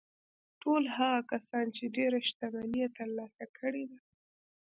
ټول هغه کسان چې ډېره شتمني يې ترلاسه کړې ده.